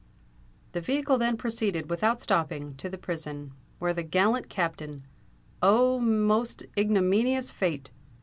The vehicle then proceeded, without stopping, to the prison, where the gallant Captain—oh! most ignominious fate!